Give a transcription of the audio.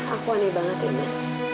aku aneh banget ya non